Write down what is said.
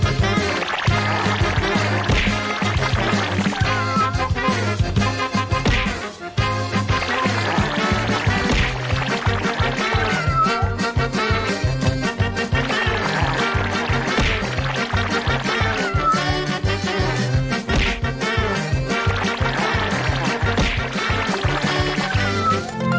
โอ้โหศึกนี้ยิ่งใหญ่นัก